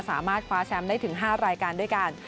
สามารถคว้าแชมป์ได้ถึง๕รายการด้วยกัน